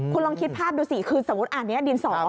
คุณลองคิดภาพดูสิคือสมมุติอันนี้ดิน๒